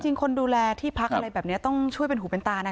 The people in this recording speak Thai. คนดูแลที่พักอะไรแบบนี้ต้องช่วยเป็นหูเป็นตานะ